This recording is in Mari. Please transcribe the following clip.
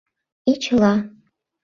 И чыла!